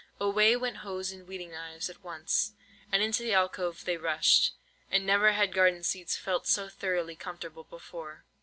Away went hoes and weeding knives at once, and into the alcove they rushed; and never had garden seats felt so thoroughly comfortable before.